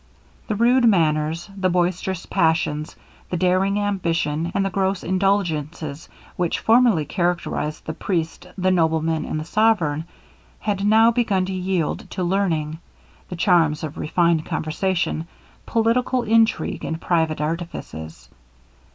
The rude manners, the boisterous passions, the daring ambition, and the gross indulgences which formerly characterized the priest, the nobleman, and the sovereign, had now begun to yield to learning the charms of refined conversation political intrigue and private artifices.